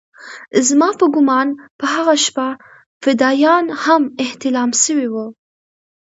زما په ګومان په هغه شپه فدايان هم احتلام سوي وو.